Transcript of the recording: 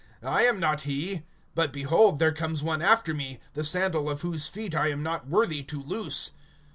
I am not he. But, behold, there comes one after me, the sandal of whose feet I am not worthy to loose.